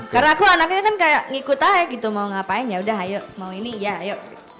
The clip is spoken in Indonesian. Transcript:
karena aku anaknya kan kayak ngikut aja gitu mau ngapain yaudah ayo mau ini ya ayo